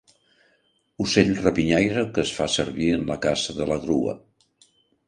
Ocell rapinyaire que es fa servir en la caça de la grua.